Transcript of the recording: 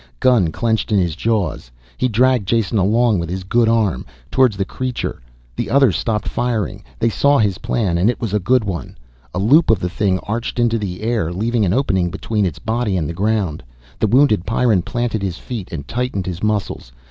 Gun clenched in his jaws he dragged Jason along with his good arm. Towards the creature. The others stopped firing. They saw his plan and it was a good one. A loop of the thing arched into the air, leaving an opening between its body and the ground. The wounded Pyrran planted his feet and tightened his muscles.